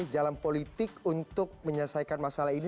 jalan politik untuk menyelesaikan masalah ini